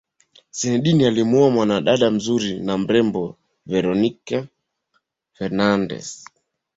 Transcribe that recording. Zidane alimuoa mwana dada mzuri na mrembo Veronique Fernandez